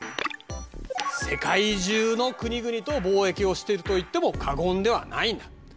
世界中の国々と貿易をしていると言っても過言ではないんだ。